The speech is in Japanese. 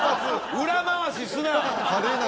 裏回しすな！